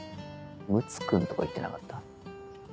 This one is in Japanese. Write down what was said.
むつ君とか言ってなかった？